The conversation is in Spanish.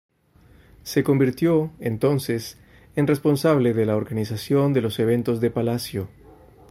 Se convirtió, entonces, en responsable de la organización de los eventos de palacio.